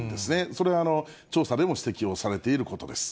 それは調査でも指摘をされていることです。